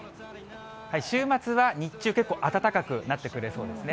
週末は日中、結構暖かくなってくれそうですね。